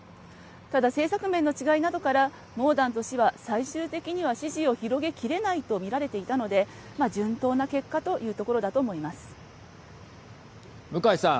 ただ、政策面の違いなどからモーダント氏は最終的には支持を広げきれないと見られていたので順当な結果というところだと向井さん。